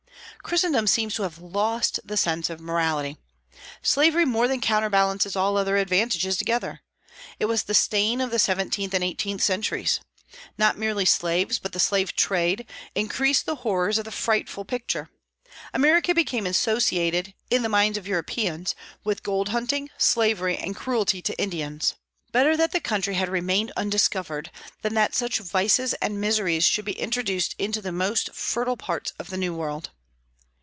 Christendom seems to have lost the sense of morality. Slavery more than counterbalances all other advantages together. It was the stain of the seventeenth and eighteenth centuries. Not merely slaves, but the slave trade, increase the horrors of the frightful picture. America became associated, in the minds of Europeans, with gold hunting, slavery, and cruelty to Indians. Better that the country had remained undiscovered than that such vices and miseries should be introduced into the most fertile parts of the New World.